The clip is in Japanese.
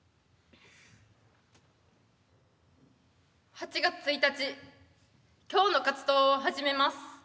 ８月１日今日の活動を始めます。